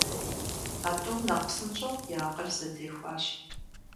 А тӏум нэхъ псынщӀэу я акъыл зэтехуащ.